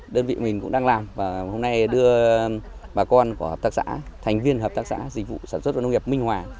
đơn vị mình cũng đang làm và hôm nay đưa bà con của hợp tác xã thành viên hợp tác xã dịch vụ sản xuất và nông nghiệp minh hòa